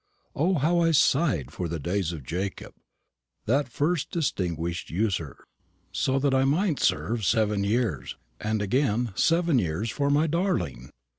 O, how I sighed for the days of Jacob, that first distinguished usurer, so that I might serve seven years and again seven years for my darling!